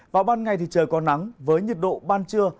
vào ban ngày thì trời có nắng với nhiệt độ ban trưa